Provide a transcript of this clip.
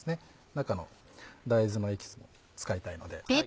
中の大豆のエキス使いたいので。